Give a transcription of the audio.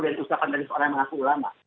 dan usapan dari seorang yang mengaku ulama